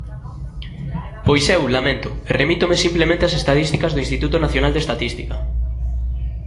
Pois eu laméntoo, e remítome simplemente ás estatísticas do Instituto Nacional de Estatística.